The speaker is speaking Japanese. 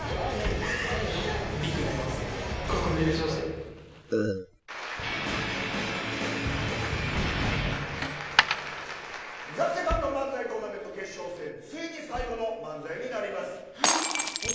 ＪＴＴＨＥＳＥＣＯＮＤ漫才トーナメント決勝戦ついに最後の漫才になります。